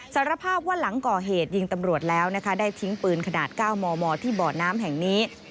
สารภาพว่าหลังก่อเหตุยิงตำรวจแล้วนะคะได้ทิ้งปืนขนาด๙มมที่บ่อน้ำแห่งนี้